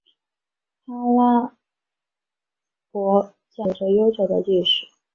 哈拉卜贾有着悠久的历史。